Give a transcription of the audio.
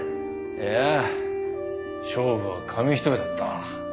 いや勝負は紙一重だった。